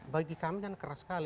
bagi kami kan keras sekali